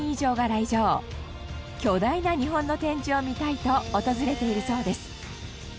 巨大な日本の展示を見たいと訪れているそうです。